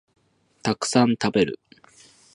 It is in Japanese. たくさん食べる